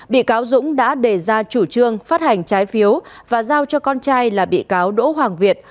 bị cáo dũng đã đề ra chủ trương phát hành trái phiếu và giao cho con trai là bị cáo đỗ hoàng việt